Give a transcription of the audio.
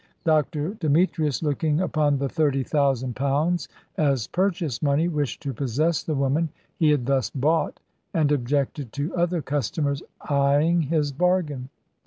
Dr. Demetrius, looking upon the thirty thousand pounds as purchase money, wished to possess the woman he had thus bought, and objected to other customers eying his bargain.